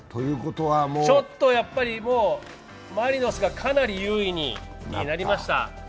ちょっともう、マリノスがかなり有利になりました。